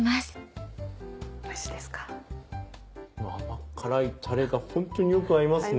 甘辛いタレがホントによく合いますね。